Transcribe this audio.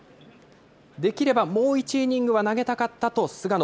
できればもう１イニングは投げたかったと菅野。